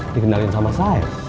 dikenalin sama saeb